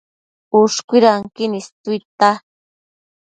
Ushcuidanquin istuidtia